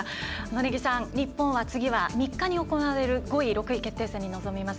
根木さん、日本は次は３日に行われる５位６位決定戦に臨みます。